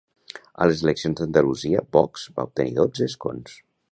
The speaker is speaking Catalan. A les eleccions d'Andalusia Vox va obtenir dotze escons.